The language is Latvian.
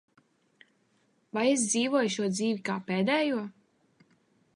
Vai es dzīvoju šo dzīvi kā pēdējo?